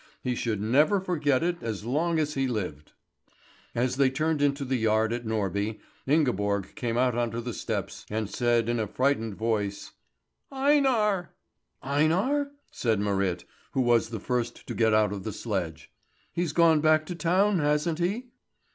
He should never forget it as long as he lived. As they turned into the yard at Norby, Ingeborg came out on to the steps, and said in a frightened voice: "Einar!" "Einar?" said Marit, who was the first to get out of the sledge. "He's gone back to town, hasn't he?"